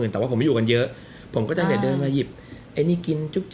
แต่ว่าผมไม่อยู่กันเยอะผมก็จะเดินมาหยิบไอ้นี่กินจุ๊